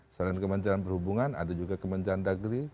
selain kementerian perhubungan ada juga kementerian negeri